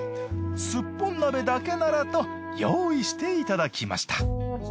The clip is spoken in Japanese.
すっぽん鍋だけならと用意していただきました。